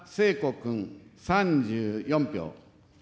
君３４票。